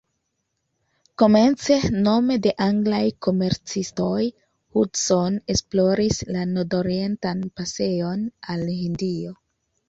Komence, nome de anglaj komercistoj, Hudson esploris la nordorientan pasejon al Hindio.